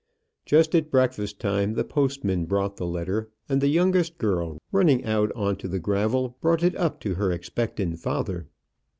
Just at breakfast time the postman brought the letter, and the youngest girl running out on to the gravel brought it up to her expectant father.